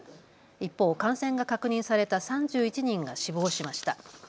一方、感染が確認された３１人が死亡しました。